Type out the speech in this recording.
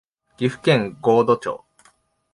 岐阜県神戸町